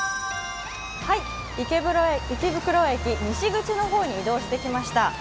池袋駅前西口の方に移動してきました。